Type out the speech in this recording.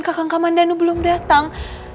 kakang kamandanu belum datang